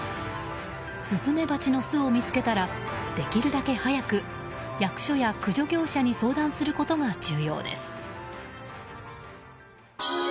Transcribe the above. スズメバチの巣を見つけたらできるだけ早く役所や駆除業者に相談することが重要です。